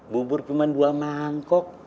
bubur cuma dua mangkok